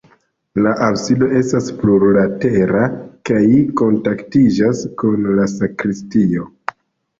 La absido estas plurlatera kaj kontaktiĝas kun la sakristio.